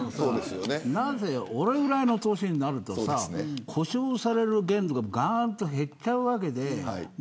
なんせ、俺ぐらいの年になるとさ補償される限度ががーんと減っちゃうわけで。